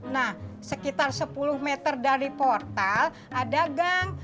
nah sekitar sepuluh meter dari portal ada gang